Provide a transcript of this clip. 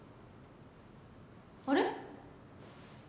あれ？